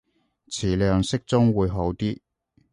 詞量適中會好啲